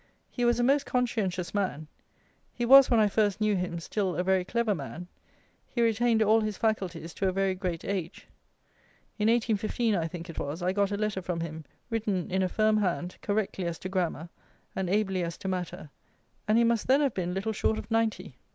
He was a most conscientious man; he was when I first knew him, still a very clever man; he retained all his faculties to a very great age; in 1815, I think it was, I got a letter from him, written in a firm hand, correctly as to grammar, and ably as to matter, and he must then have been little short of ninety.